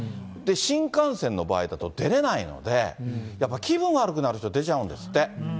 新幹線の場合だと出れないので、やっぱ気分悪くなる人出ちゃうんですって。